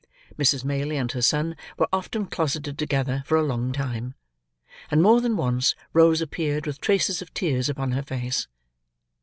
Mrs. Maylie and her son were often closeted together for a long time; and more than once Rose appeared with traces of tears upon her face.